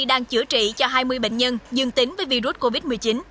đang chữa trị cho hai mươi bệnh nhân dương tính với virus covid một mươi chín